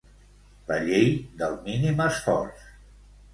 La llei del mínim esforç.